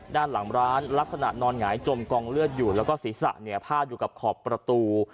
ด้านหลังร้านลักษณะนอนหงายจมกองเลือดอยู่แล้วก็ศีรษะเนี่ยพาดอยู่กับขอบประตู